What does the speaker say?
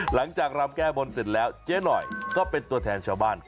รำแก้บนเสร็จแล้วเจ๊หน่อยก็เป็นตัวแทนชาวบ้าน